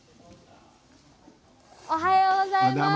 おはようございます。